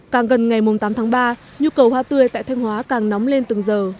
càng gần ngày tám tháng ba nhu cầu hoa tươi tại thanh hóa càng nóng lên từng giờ